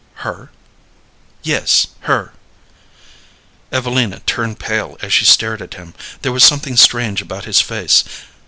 "Her?" "Yes, her." Evelina turned pale as she stared at him. There was something strange about his face.